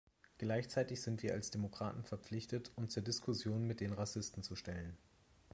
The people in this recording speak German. Gleichzeitig sind wir als Demokraten verpflichtet, uns der Diskussion mit den Rassisten zu stellen.